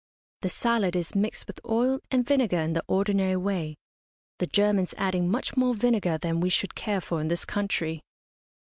The salad is mixed with oil and vinegar in the ordinary way, the Germans adding much more vinegar than we should care for in this country.